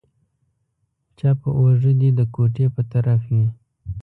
چپه اوږه دې د کوټې په طرف وي.